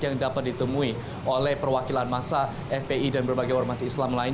yang dapat ditemui oleh perwakilan masa fpi dan berbagai ormas islam lain